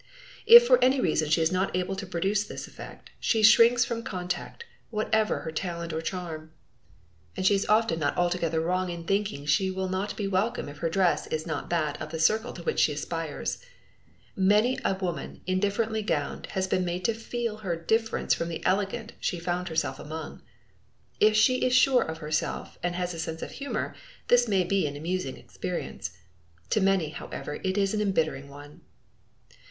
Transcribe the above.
If for any reason she is not able to produce this effect, she shrinks from contact, whatever her talent or charm! And she is often not altogether wrong in thinking she will not be welcome if her dress is not that of the circle to which she aspires. Many a woman indifferently gowned has been made to feel her difference from the elegant she found herself among. If she is sure of herself and has a sense of humor, this may be an amusing experience. To many, however, it is an embittering one!